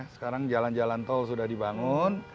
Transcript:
sekarang jalan jalan tol sudah dibangun